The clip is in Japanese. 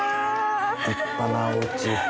立派なおうち。